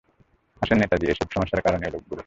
আসেন নেতাজি, এই সব সমস্যার কারণ এই লোকগুলো।